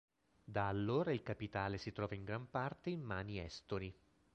Da allora il capitale si trova in gran parte in mani estoni.